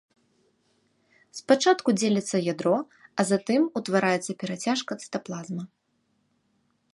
Спачатку дзеліцца ядро, а затым утвараецца перацяжка цытаплазмы.